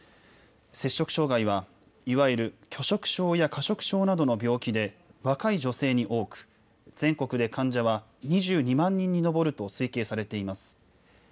摂食障害はいわゆる拒食症や過食症などの病気で若い女性に多く、全国で患者は２２万人に上ると推計されています。